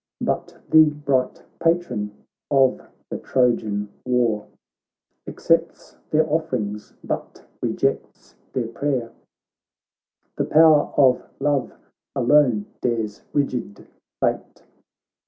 But the bright Patron of the Trojan war Accepts their offerings, but rejects their prayer : The power of love alone dares rigid fate.